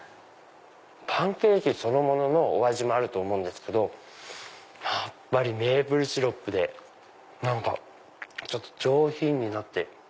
パンケーキそのもののお味もあると思うんですけどやっぱりメープルシロップで何かちょっと上品になって。